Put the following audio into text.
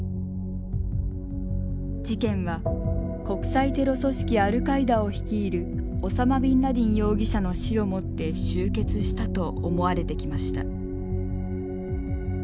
事件は国際テロ組織アルカイダを率いるオサマ・ビンラディン容疑者の死をもって終結したと思われてきました。